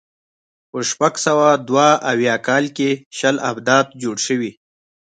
په شپږ سوه دوه اویا کال کې شل ابدات جوړ شوي.